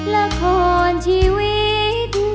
ละครชีวิต